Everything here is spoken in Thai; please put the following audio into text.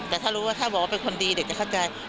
แต่ถ้ารู้ว่าถ้าบอกว่าเป็นคนดีเด็กจะเข้าใจ